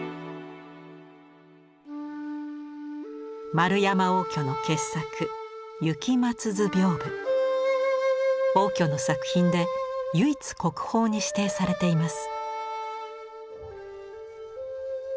円山応挙の傑作応挙の作品で唯一国宝に指定されています。